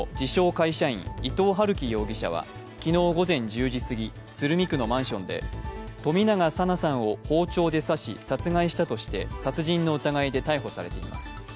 会社員伊藤龍稀容疑者は昨日午前１０時すぎ鶴見区のマンションで冨永紗菜さんを包丁で刺し殺害したとして殺人の疑いで逮捕されています。